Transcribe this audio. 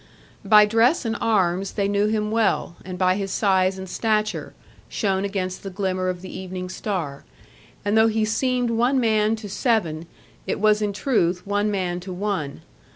By dress and arms they knew him well, and by his size and stature, shown against the glimmer of the evening star; and though he seemed one man to seven, it was in truth one man to one.